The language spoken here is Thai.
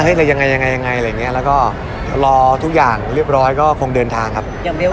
เฮ้ยยังไงแล้วก็รอทุกอย่างเรียบร้อยก็คงเดินทางครับ